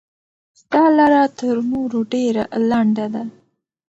دا لاره تر نورو ډېره لنډه ده.